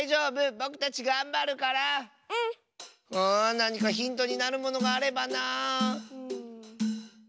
なにかヒントになるものがあればなあ。